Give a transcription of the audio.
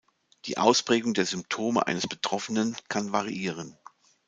Die Ausprägung der Symptome eines Betroffenen kann variieren.